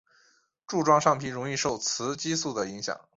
柱状上皮容易受雌激素的影响。